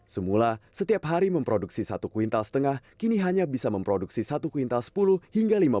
semula setiap hari memproduksi satu kuintal setengah kini hanya bisa memproduksi satu kuintal sepuluh hingga lima puluh